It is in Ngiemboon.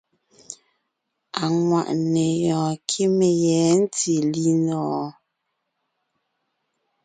Aŋwàʼne yɔɔn kíme yɛ̌ ntí linɔ̀ɔn?